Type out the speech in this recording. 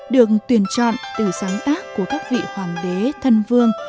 được tuyển chọn từ sáng tác của các vị hoàng đế thân vương